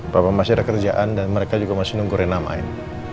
papa masih ada kerjaan dan mereka juga masih nungguin namain